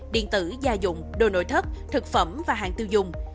điện tử gia dụng đồ nội thất thực phẩm và hàng tiêu dùng